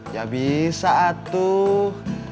ya bisa atuh